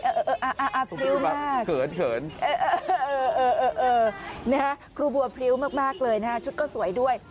เออเผริ้วมากเกินครูบัวเผริ้วมากเลยนะชุดก็สวยด้วย